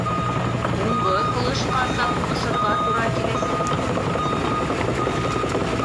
— Һуңғы һулышҡаса һуғышырға тура киләсәк, — тине Акела.